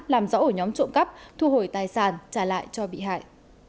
làm rõ ổ nhóm trộm cắp thu hồi tài sản trả lại cho bị hại